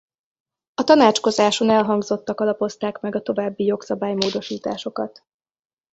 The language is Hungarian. A tanácskozáson elhangzottak alapozták meg a további jogszabály-módosításokat.